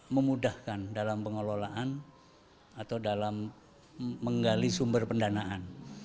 memudahkan dalam pengelolaan atau dalam menggali sumber pendanaan